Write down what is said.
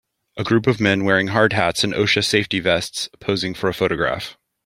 A group of men wearing hard hats and OSHA safety vests, posing for a photograph.